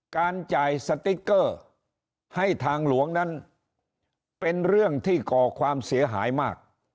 การจ่ายสติ๊กเกอร์ให้ทางหลวงนั้นเป็นเรื่องที่ก่อความเสียหายมาก